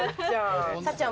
さっちゃん